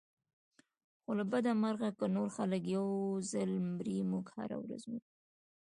خو له بده مرغه که نور خلک یو ځل مري موږ هره ورځ مرو.